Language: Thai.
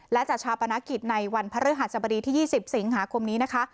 และจัดชาปนกิจในวันพระฤหัสบดีที่๒๐สิงหาคมนี้นะคะ